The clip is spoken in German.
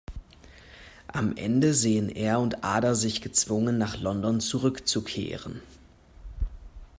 Am Ende sehen er und Ada sich gezwungen, nach London zurückzukehren.